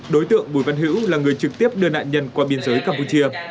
đối tượng bùi văn hữu là người trực tiếp đưa nạn nhân qua biên giới campuchia